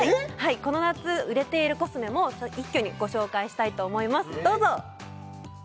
この夏売れているコスメも一挙にご紹介したいと思いますどうぞ！